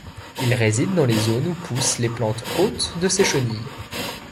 Il réside dans les zones où poussent les plantes hôtes de ses chenilles.